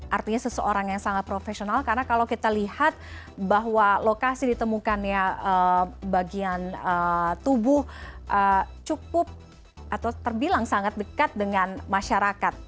artinya seseorang yang sangat profesional karena kalau kita lihat bahwa lokasi ditemukannya bagian tubuh cukup atau terbilang sangat dekat dengan masyarakat